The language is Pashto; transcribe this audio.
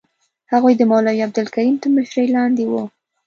هغوی د مولوي عبدالکریم تر مشرۍ لاندې وو.